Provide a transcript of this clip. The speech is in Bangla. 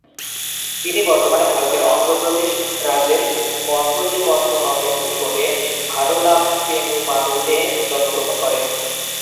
তিনি বর্তমানে ভারতের অন্ধ্রপ্রদেশ রাজ্যের মছলিপত্তনমের নিকটে ভাটলাপেনুমারুতে জন্মগ্রহণ করেন।